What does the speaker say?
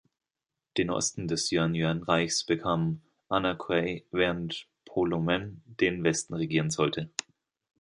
Den Osten des Juan-Juan-Reiches bekam A-na-kuei, während Po-lo-men den Westen regieren sollte.